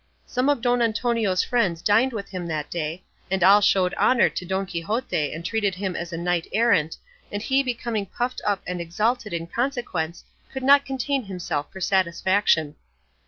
Some of Don Antonio's friends dined with him that day, and all showed honour to Don Quixote and treated him as a knight errant, and he becoming puffed up and exalted in consequence could not contain himself for satisfaction.